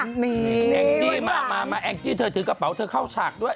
แอ็กซี่มาแอ็กซี่เธอถือกระเป๋าเธอเข้าฉากด้วย